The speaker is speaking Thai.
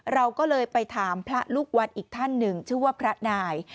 เราก็เลยไปถามพระลูกวัดอีกท่านหนึ่งชื่อว่าพระนาย